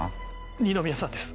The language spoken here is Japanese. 二宮さんです